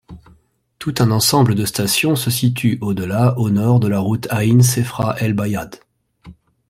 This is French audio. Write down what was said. Tout un ensemble de stations se situe, au-delà, au nord de la route Aïn-Sefra-El-Bayadh.